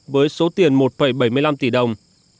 với số tiền một bảy mươi năm tỷ đồng